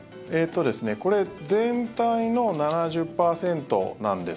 これ全体の７０％なんです。